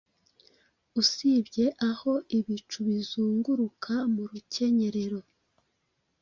usibye aho ibicu bizunguruka mu rukenyerero